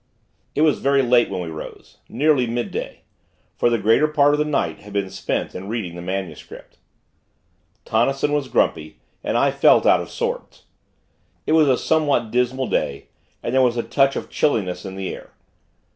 It was very late when we rose nearly midday; for the greater part of the night had been spent in reading the MS. Tonnison was grumpy, and I felt out of sorts. It was a somewhat dismal day, and there was a touch of chilliness in the air.